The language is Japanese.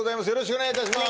お願いします